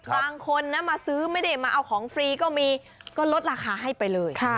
บางคนนะมาซื้อไม่ได้มาเอาของฟรีก็มีก็ลดราคาให้ไปเลย